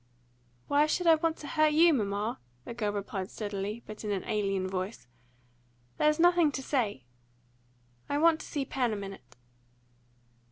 "Why should I want to hurt you, mamma?" the girl replied steadily, but in an alien voice. "There's nothing to say. I want to see Pen a minute."